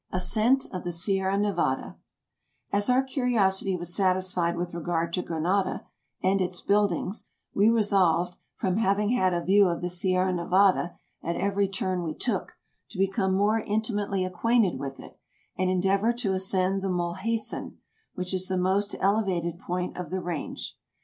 EUROPE 187 Ascent of the Sierra Nevada As our curiosity was satisfied with regard to Granada and its buildings, we resolved, from having had a view of the Sierra Nevada at every turn we took, to become more inti mately acquainted with it, and endeavor to ascend the Mul hacen, which is the most elevated point of the range.